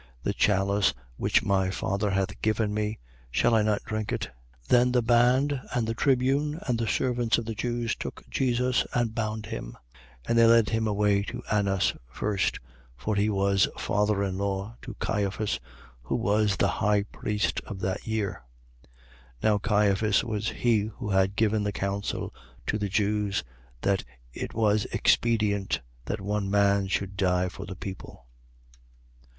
The chalice which my father hath given me, shall I not drink it? 18:12. Then the band and the tribune and the servants of the Jews took Jesus and bound him. 18:13. And they led him away to Annas first, for he was father in law to Caiphas, who was the high priest of that year. 18:14. Now Caiphas was he who had given the counsel to the Jews: That it was expedient that one man should die for the people.